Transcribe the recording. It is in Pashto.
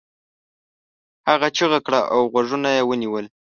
هغه چیغه کړه او غوږونه یې ونيول.